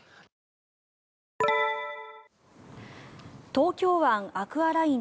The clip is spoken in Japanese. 東京湾アクアライン